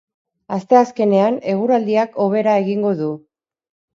Asteazkenean, eguraldiak hobera egingo du.